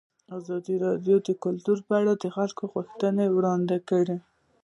ازادي راډیو د کلتور لپاره د خلکو غوښتنې وړاندې کړي.